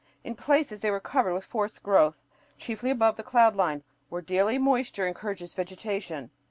In places they were covered with forest growth, chiefly above the cloud line, where daily moisture encourages vegetation.